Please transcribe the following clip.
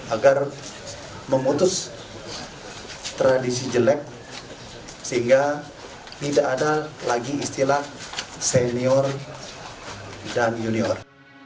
agar memutus tradisi jelek sehingga tidak ada lagi istilah senior dan junior